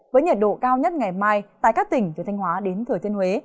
với nhiệt độ cao nhất ngày mai tại các tỉnh từ thanh hóa đến thừa thiên huế